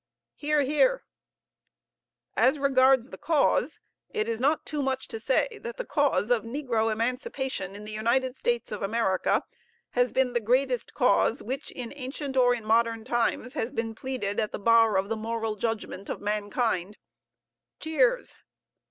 (Hear, hear.) As regards the cause, it is not too much to say that the cause of negro emancipation in the United States of America has been the greatest cause which, in ancient or in modern times, has been pleaded at the bar of the moral judgment of mankind. (Cheers.)